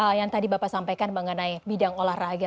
baik untuk bidang yang tadi bapak sampaikan mengenai bidang olahraga